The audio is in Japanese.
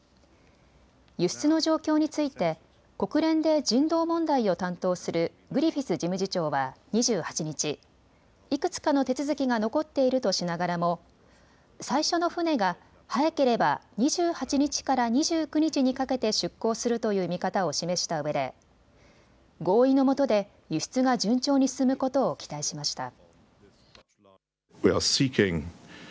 輸出の状況について国連で人道問題を担当するグリフィス事務次長は２８日、いくつかの手続きが残っているとしながらも最初の船が早ければ２８日から２９日にかけて出港するという見方を示したうえで合意のもとで輸出が順調に進むことを期待しました。